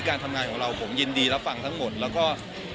คุณแม่น้องให้โอกาสดาราคนในผมไปเจอคุณแม่น้องให้โอกาสดาราคนในผมไปเจอ